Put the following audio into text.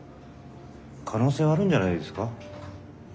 可能性はあるんじゃないですか？